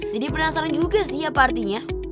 jadi penasaran juga sih apa artinya